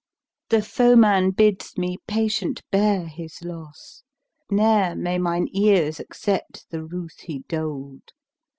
The foeman bids me patient bear his loss, * Ne'er may mine ears accept the ruth he doled!